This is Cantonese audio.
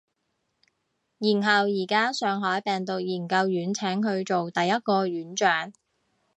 然後而家上海病毒研究院請佢做第一個院長